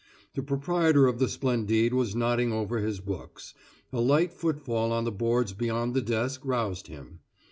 The proprietor of the Splendide was nodding over his books. A light footfall on the boards beyond the desk roused him.